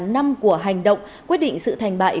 năm của hành động quyết định sự thành bại